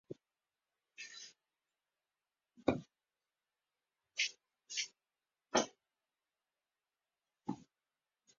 Ray Bradbury disagreed with his fellow judges: This is a fine piece of work...